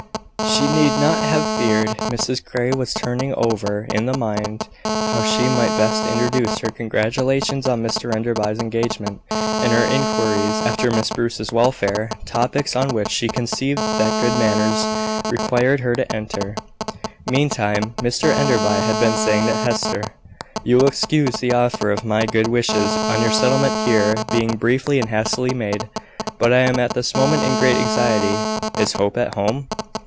She need not have feared; Mrs Grey was turning over in her mind how she might best introduce her congratulations on Mr Enderby's engagement, and her inquiries after Miss Bruce's welfare topics on which she conceived that good manners required her to enter. Meantime, Mr Enderby had been saying to Hester: "You will excuse the offer of my good wishes on your settlement here being briefly and hastily made; but I am at this moment in great anxiety. Is Hope at home?"